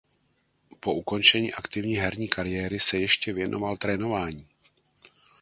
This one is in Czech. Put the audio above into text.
Po ukončení aktivní herní kariéry se ještě věnoval trénování.